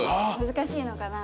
難しいのかな？